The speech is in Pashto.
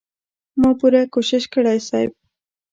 ما پوره کوشش کړی صيب.